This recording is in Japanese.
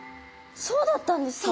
そうだったんですか？